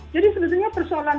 jadi sebetulnya persoalannya